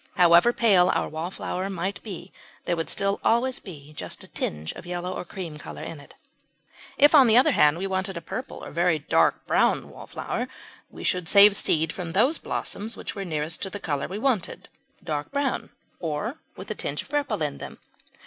However pale our Wallflower might be there would still always be just a tinge of yellow or cream colour in it. If, on the other hand, we wanted a purple or a very dark brown Wallflower, we should save seed from those blossoms which were nearest to the colour we wanted dark brown or with a tinge of purple in them.